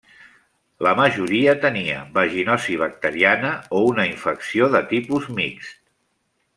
La majoria tenia vaginosi bacteriana o una infecció de tipus mixt.